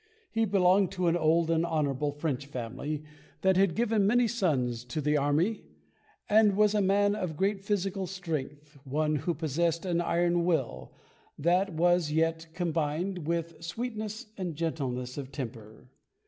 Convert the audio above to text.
He belonged to an old and honourable French family that had given many sons to the army, and was a man of great physical strength, one who possessed an iron will, that was yet combined with sweetness and gentleness of temper.